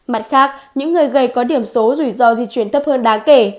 mặt khác những người gầy có điểm số rủi ro di chuyển thấp hơn đáng kể